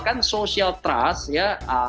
kan social trust ya